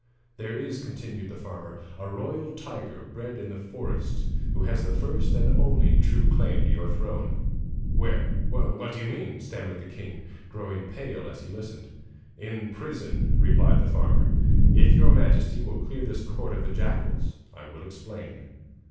'There is,' continued the farmer, 'a royal tiger bred in the forest who has the first and only true claim to your throne.' 'Where? what do you mean?' stammered the king, growing pale as he listened. 'In prison,' replied the farmer; 'if your majesty will clear this court of the jackals I will explain.'